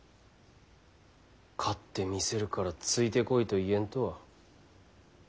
「勝ってみせるからついてこい」と言えんとは。